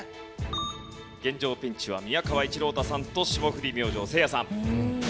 現状ピンチは宮川一朗太さんと霜降り明星せいやさん。